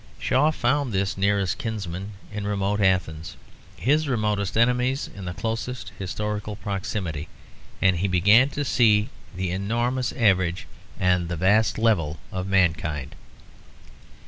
Shaw found his nearest kinsman in remote Athens, his remotest enemies in the closest historical proximity; and he began to see the enormous average and the vast level of mankind.